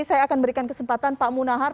saya akan berikan kesempatan pak munahar